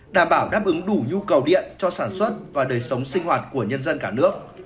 đảm bảo đáp ứng đủ nhu cầu điện cho sản xuất và đời sống sinh hoạt của nhân dân cả nước